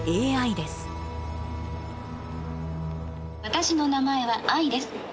私の名前はアイです。